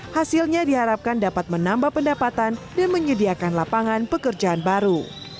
hasilnya diharapkan dapat menambah pendapatan dan menyediakan lapangan pekerjaan baru